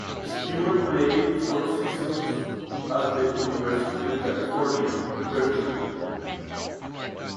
Stewart played four seasons at the University of California, Berkeley.